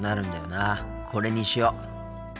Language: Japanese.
これにしよう。